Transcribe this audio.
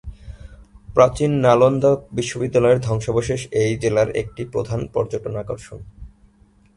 প্রাচীন নালন্দা বিশ্ববিদ্যালয়ের ধ্বংসাবশেষ এই জেলার একটি প্রধান পর্যটন আকর্ষণ।